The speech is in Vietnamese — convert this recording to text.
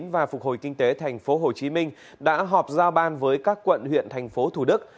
và phục hồi kinh tế tp hcm đã họp giao ban với các quận huyện thành phố thủ đức